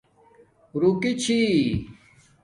رُوکی چھی